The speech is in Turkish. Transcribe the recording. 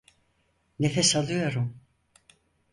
Nefes alıyorum.